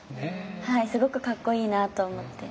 はいすごくかっこいいなと思って。